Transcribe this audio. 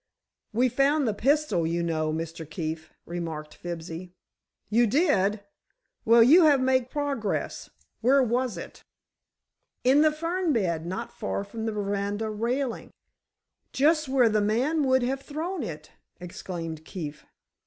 "We found the pistol, you know, Mr. Keefe," remarked Fibsy. "You did! Well, you have made progress. Where was it?" "In the fern bed, not far from the veranda railing." "Just where the man would have thrown it!" exclaimed Keefe.